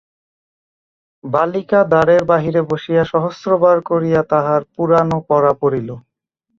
বালিকা দ্বারের বাহিরে বসিয়া সহস্রবার করিয়া তাহার পুরানো পড়া পড়িল।